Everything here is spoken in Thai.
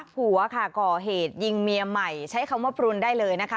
ผัวค่ะก่อเหตุยิงเมียใหม่ใช้คำว่าพรุนได้เลยนะคะ